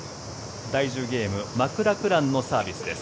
第１０ゲームマクラクランのサービスです。